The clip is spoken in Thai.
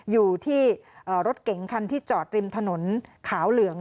อยู่ที่รถเก๋งคันที่จอดริมถนนขาวเหลือง